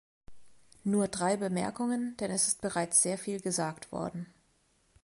Nur drei Bemerkungen, denn es ist bereits sehr viel gesagt worden.